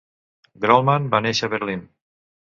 Grolman va néixer a Berlín.